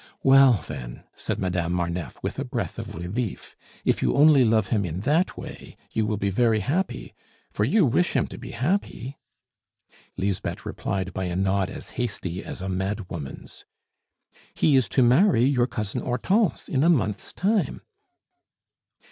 "Well, then," said Madame Marneffe, with a breath of relief, "if you only love him in that way, you will be very happy for you wish him to be happy?" Lisbeth replied by a nod as hasty as a madwoman's. "He is to marry your Cousin Hortense in a month's time."